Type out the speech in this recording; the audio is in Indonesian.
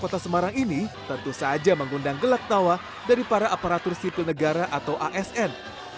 kota semarang ini tentu saja mengundang gelak tawa dari para aparatur sipil negara atau asn